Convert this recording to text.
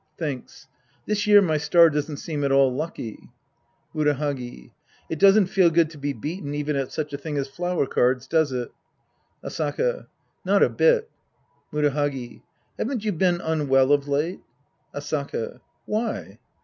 (Thinks.) This year my star doesn't seem at all lucky. Murahagi. It doesn't feel good to be beaten even at such a tloing as flower cards, does it ? Asaka. Not a bit. Murahagi. Haven't you been unwell of late ? Asaka. Why